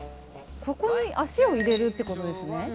ここに足を入れるってことですね。